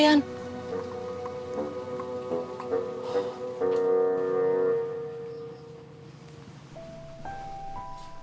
ini si bern